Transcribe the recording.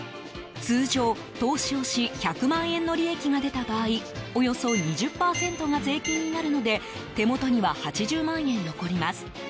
通常、投資をし１００万円の利益が出た場合およそ２０％が税金になるので手元には８０万円残ります。